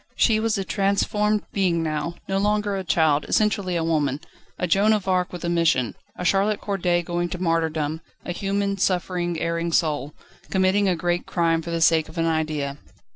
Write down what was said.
She was a transformed being now, no longer a child, essentially a woman a Joan of Arc with a mission, a Charlotte Corday going to martyrdom, a human, suffering, erring soul, committing a great crime for the sake of an idea.